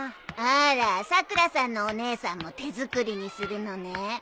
あらさくらさんのお姉さんも手作りにするのね。